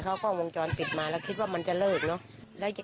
เขากล้องวงจรปิดมาแล้วคิดว่ามันจะเลิกเนอะ